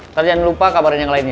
tapi jangan lupa kabarin yang lainnya